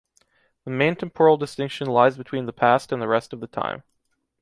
The main temporal distinction lies between the past and the rest of the time.